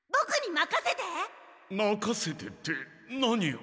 まかせてって何を？